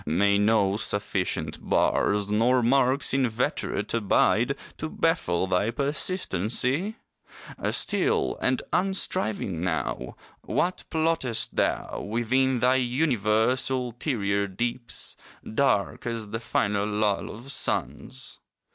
May no sufficient bars, Nor marks inveterate abide To baffle thy persistency? Still and unstriving now, What plottest thou, Within thy universe ulterior deeps, Dark as the final lull of suns?